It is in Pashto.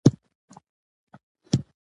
د جینونو توپیر د کرکې شدت اغېزمنوي.